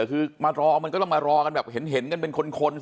คือมารอมันก็ต้องมารอกันแบบเห็นกันเป็นคน